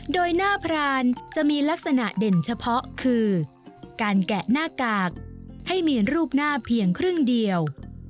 โดยหน้าพรานจะมีลักษณะเด่นเฉพาะคือการแกะหน้ากากให้มีรูปหน้าเพียงครึ่งเดียว